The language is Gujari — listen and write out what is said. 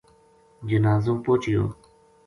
جنازو پوہچیو